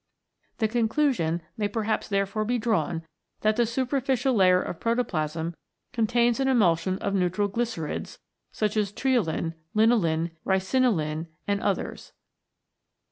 The conclusion may perhaps therefore be drawn that the superficial layer of protoplasm contains an emulsion of neutral glycerids, such as triolein, linolein, ricinolein, and others.